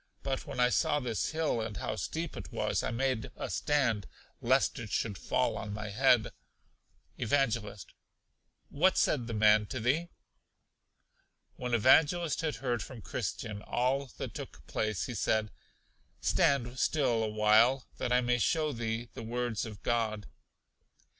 But when I saw this hill, and how steep it was, I made a stand, lest it should fall on my head. Evangelist. What said the man to thee? When Evangelist had heard from Christian all that took place, he said: Stand still a while, that I may show thee the words of God.